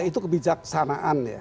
itu kebijaksanaan ya